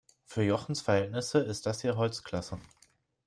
Für Jochens Verhältnisse ist das hier Holzklasse.